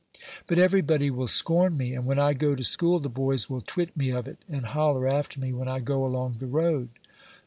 "But everybody will scorn me; and when I go to school the boys will twit me of it, and holler after me when I go along the road."